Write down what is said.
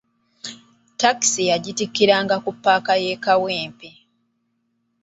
Takisi yagitikkiranga mu paaka y'e Kawempe.